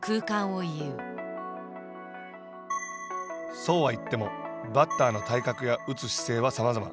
そうは言ってもバッターの体格や打つ姿勢はさまざま。